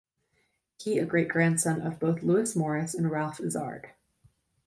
He a great grandson of both Lewis Morris and Ralph Izard.